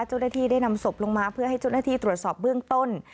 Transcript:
เจ้าหน้าที่ได้นำศพลงมาเพื่อให้เจ้าหน้าที่ตรวจสอบเบื้องต้น